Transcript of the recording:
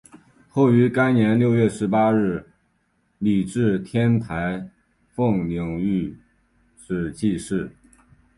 后于该年六月十八日礼置天台奉领玉旨济世。